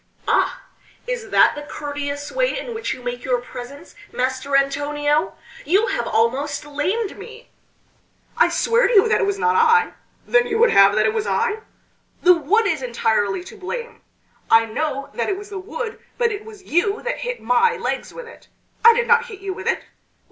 "Ah! is that the courteous way in which you make your presents, Master Antonio? You have almost lamed me!" "I swear to you that it was not I!" "Then you would have it that it was I?" "The wood is entirely to blame!" "I know that it was the wood, but it was you that hit my legs with it!" "I did not hit you with it!"